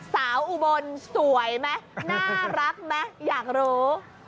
อุบลสวยไหมน่ารักไหมอยากรู้